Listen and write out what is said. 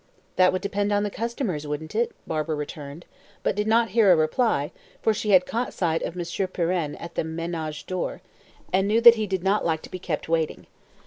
"That would depend on the customers, wouldn't it?" Barbara returned; but did not hear her reply, for she had caught sight of Monsieur Pirenne at the manège door, and knew that he did not like to be kept waiting.